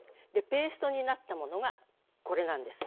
ペーストになったものがこれなんです。